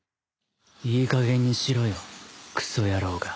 いいかげんにしろよクソ野郎が。